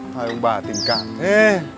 thôi ông bà tìm cảm thế